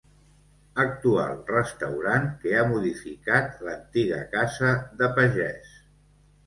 Actual restaurant que ha modificat l'antiga casa de pagès.